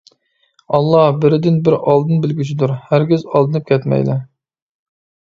ئاللا بىردىن-بىر ئالدىن بىلگۈچىدۇر، ھەرگىز ئالدىنىپ كەتمەيلى.